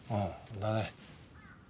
だね。